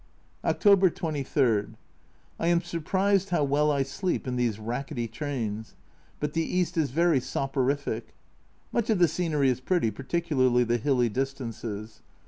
October 23. I am surprised how well I sleep in these rackety trains but the East is very soporific. Much of the scenery is pretty, particularly the hilly distances.